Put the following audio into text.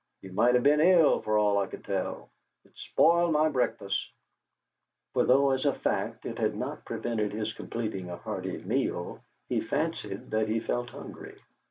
"You might have been ill for all I could tell. It spoiled my breakfast!" For though, as a fact, it had not prevented his completing a hearty meal, he fancied that he felt hungry.